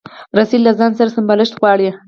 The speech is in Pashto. رسۍ له ځان سره سمبالښت غواړي.